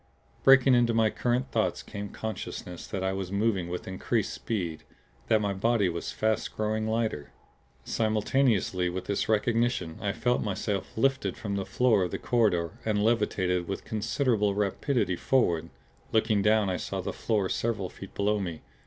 Breaking into my current of thoughts came consciousness that I was moving with increased speed; that my body was fast growing lighter. Simultaneously with this recognition I felt myself lifted from the floor of the corridor and levitated with considerable rapidity forward; looking down I saw that floor several feet below me.